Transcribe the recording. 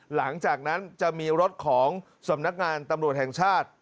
หลังจากนั้นจะมีรถของสำนักงานตำรวจแห่งชาติ